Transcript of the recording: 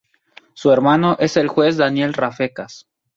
Su hermano es el juez Daniel Rafecas.